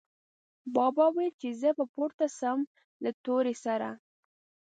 بابا ویل، چې زه به پورته شم له تورې سره